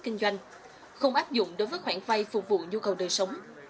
kinh doanh không áp dụng đối với khoản vay phục vụ nhu cầu đời sống